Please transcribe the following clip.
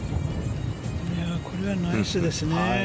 これはナイスですね。